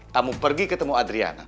kamu pergi ketemu adriana